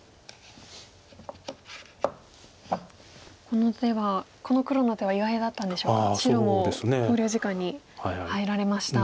この手はこの黒の手は意外だったんでしょうか白も考慮時間に入られました。